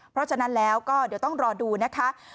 เพราะฉะนั้นแล้วก็เดี๋ยวต้องรอดูนะคะ